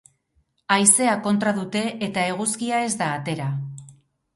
Haizea kontra dute eta eguzkia ez da atera.